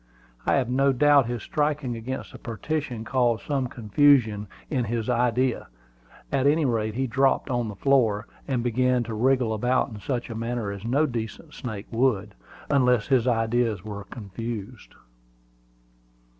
I have no doubt his striking against the partition caused some confusion in his ideas: at any rate, he dropped on the floor, and began to wriggle about in such a manner as no decent snake would, unless his ideas were confused.